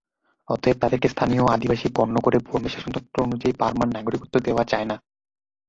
অতএব তাদেরকে স্থানীয় আদিবাসী গণ্য করে বর্মি শাসনতন্ত্র অনুযায়ী বার্মার নাগরিকত্ব দেওয়া যায় না।